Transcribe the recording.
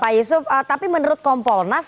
pak yusuf tapi menurut kompolnas